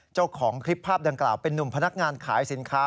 เจ้าของคลิปภาพดังกล่าวเป็นนุ่มพนักงานขายสินค้า